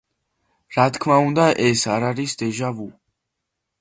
რა თქმა უნდა, ეს არ არის დეჟა ვუ.